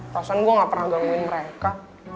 perasaan gue gak pernah gangguin mereka